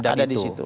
ada di situ